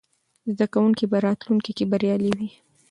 زده کوونکي به راتلونکې کې بریالي وي.